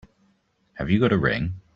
Have you got a ring?